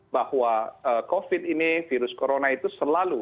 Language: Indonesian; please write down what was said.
bahwa covid ini virus corona itu selalu